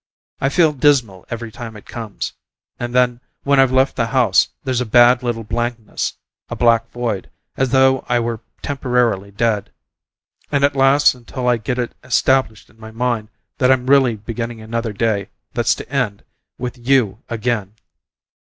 I feel dismal every time it comes and then, when I've left the house, there's a bad little blankness, a black void, as though I were temporarily dead; and it lasts until I get it established in my mind that I'm really beginning another day that's to end with YOU again.